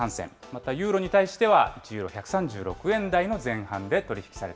またユーロに対しては、１ユーロ１３６円台の前半で取り引きされ